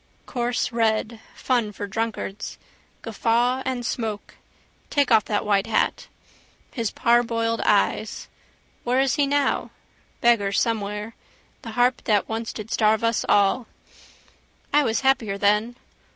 Coarse red: fun for drunkards: guffaw and smoke. Take off that white hat. His parboiled eyes. Where is he now? Beggar somewhere. The harp that once did starve us all. I was happier then.